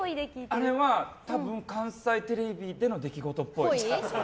あれは多分、関西テレビでの出来事っぽい。